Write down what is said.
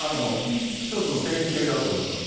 １つの典型だと思います。